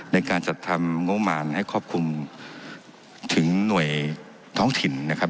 ในการจัดทำงบมารให้ครอบคลุมถึงหน่วยท้องถิ่นนะครับ